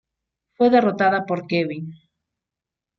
Fue derrotada por Kevin.